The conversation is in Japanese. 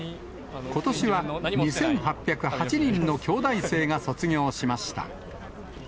ことしは２８０８人の京大生が卒業しました。